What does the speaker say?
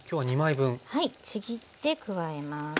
ちぎって加えます。